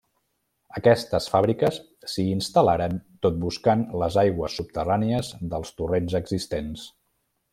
Aquestes fàbriques s'hi instal·laren tot buscant les aigües subterrànies dels torrents existents.